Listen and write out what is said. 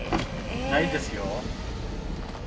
ないですよ。